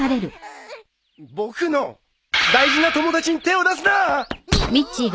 僕の大事な友達に手を出すなー！